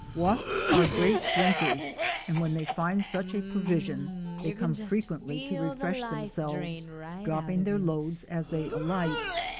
Wasps are great drinkers, and when they find 10 COMMUNAL LIFE such a provision they come frequently to refresh them selves, dropping their loads as they alight.